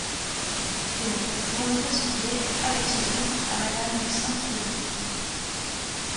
Tenez, vous remettrez ce billet, avec ce livre, à madame de Sainte-Denize…